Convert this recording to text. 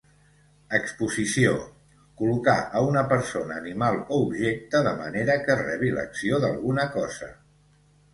Exposició: col·locar a una persona, animal o objecte de manera que rebi l'acció d'alguna cosa.